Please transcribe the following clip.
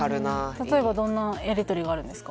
例えばどんなやり取りがあるんですか？